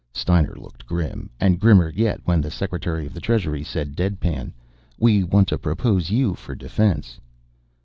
Steiner looked grim, and grimmer yet when the Secretary of the Treasury said, dead pan: "We want to propose you for Defense."